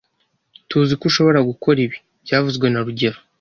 Tuziko ushobora gukora ibi byavuzwe na rugero